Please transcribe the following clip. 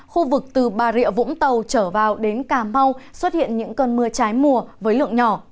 khu vực từ bà rịa vũng tàu trở vào đến cà mau xuất hiện những cơn mưa trái mùa với lượng nhỏ